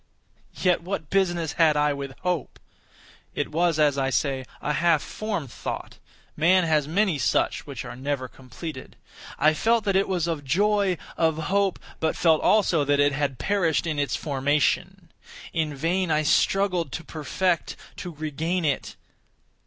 Yet what business had I with hope? It was, as I say, a half formed thought—man has many such, which are never completed. I felt that it was of joy—of hope; but felt also that it had perished in its formation. In vain I struggled to perfect—to regain it.